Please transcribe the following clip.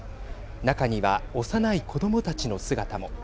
中には幼い子どもたちの姿も。